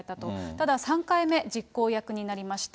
ただ３回目、実行役になりました。